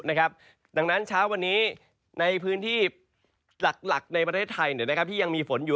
ดังนั้นเช้าวันนี้ในพื้นที่หลักในประเทศไทยที่ยังมีฝนอยู่